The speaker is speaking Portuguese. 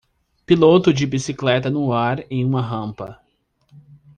Piloto de bicicleta no ar em uma rampa